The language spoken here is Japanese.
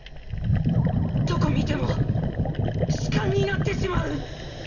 どこ見ても視姦になってしまう！